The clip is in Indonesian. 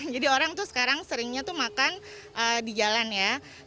jadi orang itu sekarang seringnya makan di jalan ya